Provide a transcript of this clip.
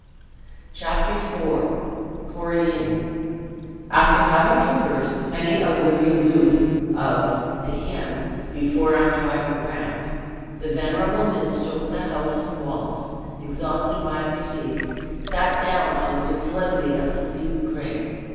Chapter IV. Corie Lynn. After having traversed many a weary rood of, to him, before untrodden ground, the venerable minstrel of the house of Wallace, exhausted by fatigue, sat down on the declivity of a steep craig.